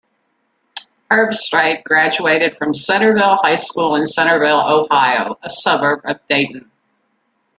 Herbstreit graduated from Centerville High School in Centerville, Ohio, a suburb of Dayton.